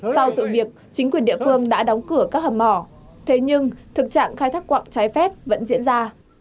sau sự việc chính quyền địa phương đã đóng cửa các hầm mỏ thế nhưng thực trạng khai thác quạng trái phép vẫn diễn ra